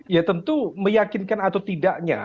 ya tentu meyakinkan atau tidaknya